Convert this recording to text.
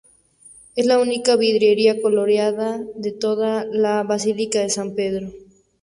Es la única vidriera coloreada de toda la Basílica de San Pedro.